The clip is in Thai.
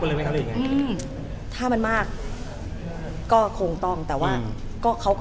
ตอนนี้ก็คืออย่างที่ทุกคนทราบเหมือนกันนะคะ